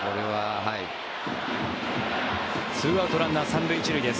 ２アウトランナー３塁１塁です。